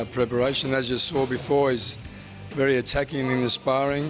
seperti yang anda lihat sebelumnya dia sangat menyerang di sparing